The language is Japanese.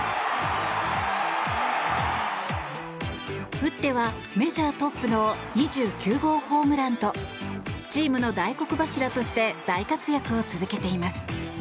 打ってはメジャートップの２９号ホームランとチームの大黒柱として大活躍を続けています。